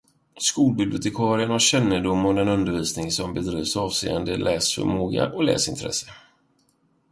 Skolbibliotekarien har kännedom om den undervisning som bedrivs avseende läsförmåga och läsintresse.